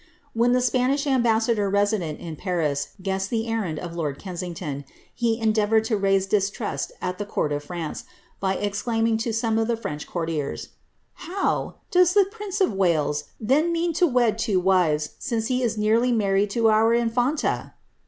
When the Spanish ambassador resident in Paris guessed the errand of lord Kensington, he endeavoured to raise distrust at the court of France, by exclaiming to some of the French courtiers, ^ How ! does the prince of Wales, then, mean to wed two wives, since he is nearly married to our in&nta